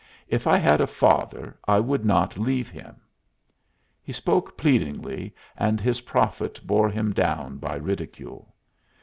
If I had a father, I would not leave him." He spoke pleadingly, and his prophet bore him down by ridicule.